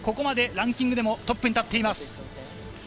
ここまでランキングでもトップに立っています。